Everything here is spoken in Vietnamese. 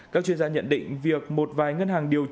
các chuyên gia nhận định việc một vài ngân hàng điều chỉnh